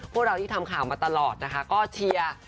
พวกเราที่ทำข่าวมาตลอดนะคะก็เชียร์